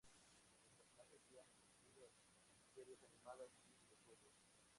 Los personajes se han extendido a series animadas y videojuegos.